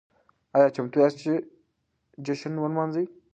ايا چمتو ياست چې جشن ولمانځئ؟